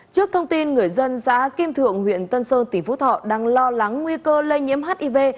trước thông tin người dân xã kim thượng huyện tân sơn tỉnh phú thọ đang lo lắng nguy cơ lây nhiễm hiv